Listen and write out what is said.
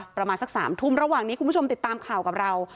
ประมาณสัก๓ทุ่มระหว่างนี้คุณผู้ชมติดตามข่าวกับเรา